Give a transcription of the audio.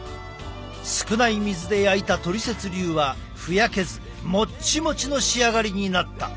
少ない水で焼いたトリセツ流はふやけずもっちもちの仕上がりになった。